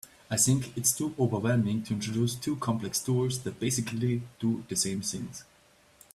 I think it’s too overwhelming to introduce two complex tools that basically do the same things.